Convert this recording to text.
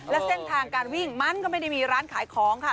และเส้นทางการวิ่งมันก็ไม่ได้มีร้านขายของค่ะ